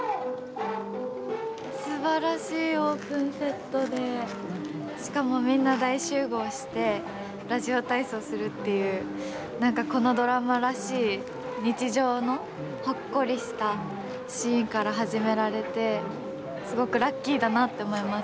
すばらしいオープンセットでしかもみんな大集合してラジオ体操するっていう何かこのドラマらしい日常のほっこりしたシーンから始められてすごくラッキーだなって思います。